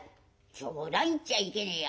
「冗談言っちゃいけねえや。